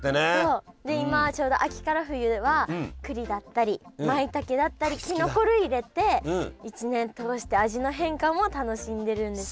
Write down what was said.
で今ちょうど秋から冬はくりだったりまいたけだったりきのこ類入れて一年通して味の変化も楽しんでるんですって。